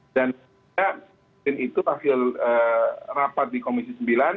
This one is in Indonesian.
dan setelah itu akhir rapat di komisi sembilan